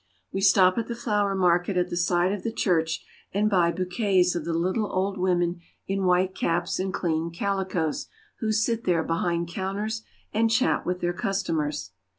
We stop at the flower market at the side of the church, and buy bouquets of the little old women in white caps and clean calicoes who sit there behind counters and chat with their customers.